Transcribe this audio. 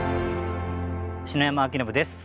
篠山輝信です。